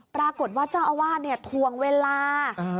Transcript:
ปรากฏว่าเจ้าอาวาสทวงเวลา